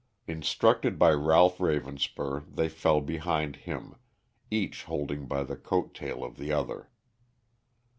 Instructed by Ralph Ravenspur, they fell behind him, each holding by the coat tail of the other.